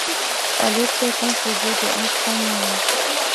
Elle était composée de onze communes.